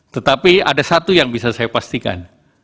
tetapi ada satu yang bisa saya pastikan